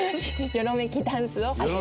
よろめきダンスを。